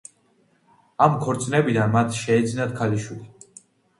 ამ ქორწინებიდან მათ შეეძინათ ქალიშვილი.